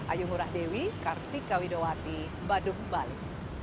ayung urah dewi kartika widowati baduk bali